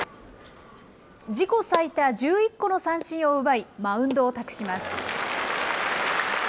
自己最多１１個の三振を奪い、マウンドを託します。